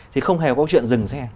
thì không hề có chuyện dừng xe